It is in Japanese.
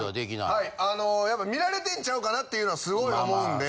はいあのやっぱ見られてんちゃうかなっていうのはすごい思うんで。